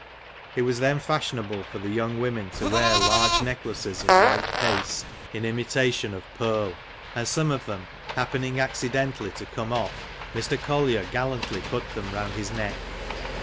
It was then fashionable for the young women to wear large necklaces of white paste in imita tion of pearl; and some of them happening accidentally to come off, Mr. Collier gallantly put them round his neck.